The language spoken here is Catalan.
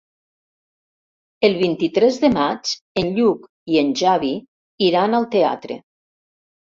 El vint-i-tres de maig en Lluc i en Xavi iran al teatre.